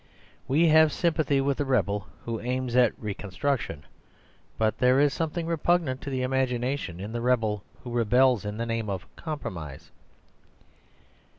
We have sympathy with the rebel who aims at reconstruction, but there is something repugnant to the imagination in the rebel who rebels in the name of compromise.